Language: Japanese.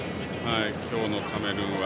今日のカメルーンは。